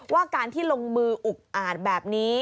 ว่าการที่ลงมืออุกอาจแบบนี้